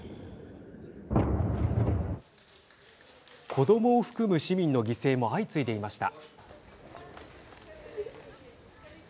子どもを含む市民の犠牲も相次いでいました。